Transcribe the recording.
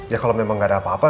ya kalau memang nggak ada apa apa